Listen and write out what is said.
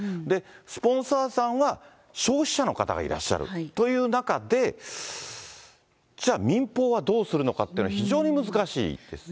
スポンサーさんは消費者の方がいらっしゃるという中で、じゃあ民放はどうするのかって、非常に難しいですね。